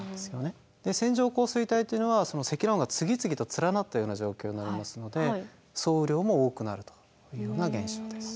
線状降水帯というのはその積乱雲が次々と連なったような状況になりますので総雨量も多くなるというような現象です。